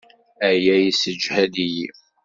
Aya yessejhad-iyi.